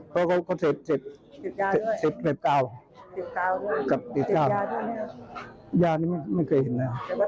เพราะเขาก็เจ็บเกลียดเก่า